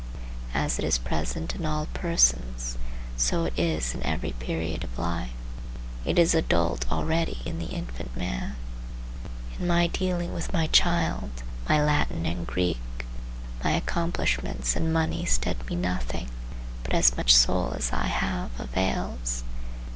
As it is present in all persons, so it is in every period of life. It is adult already in the infant man. In my dealing with my child, my Latin and Greek, my accomplishments and my money stead me nothing; but as much soul as I have avails.